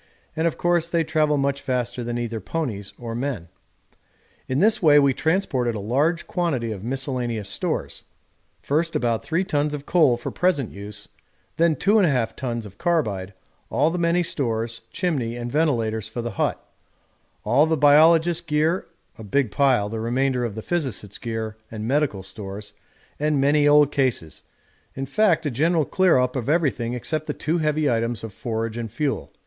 and of course they travel much faster than either ponies or men. In this way we transported a large quantity of miscellaneous stores; first about 3 tons of coal for present use, then 2 1/2 tons of carbide, all the many stores, chimney and ventilators for the hut, all the biologists' gear a big pile, the remainder of the physicists' gear and medical stores, and many old cases; in fact a general clear up of everything except the two heavy items of forage and fuel.